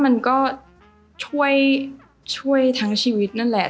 มันก็ช่วยทั้งชีวิตนั่นแหละ